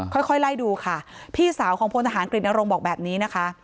ค่อยไล่ดูค่ะพี่สาวของโพธิอาหารกลิ่นอารมณ์บอกแบบนี้นะคะ